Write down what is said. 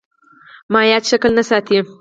مایعات شکل نه ساتي.